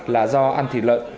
là do ăn thịt lợn